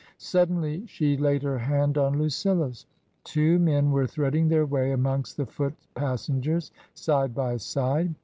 Suddenly she laid her hand on Lucilla's. Two men were threading their way amongst the foot passengers side by side.